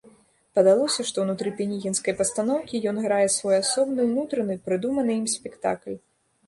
Падалося, што ўнутры пінігінскай пастаноўкі ён грае свой асобны ўнутраны, прыдуманы ім спектакль.